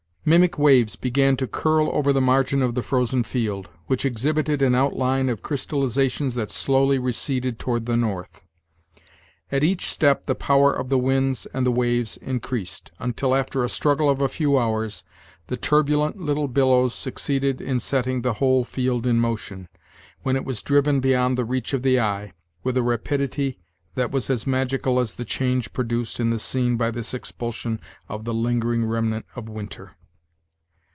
Mimic waves began to curl over the margin of the frozen field, which exhibited an outline of crystallizations that slowly receded toward the north. At each step the power of the winds and the waves increased, until, after a struggle of a few hours, the turbulent little billows succeeded in setting the whole field in motion, when it was driven beyond the reach of the eye, with a rapidity that was as magical as the change produced in the scene by this expulsion of the lingering remnant of winter.